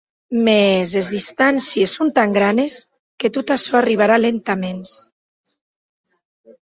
Mès es distàncies son tan granes que tot açò arribarà lentaments.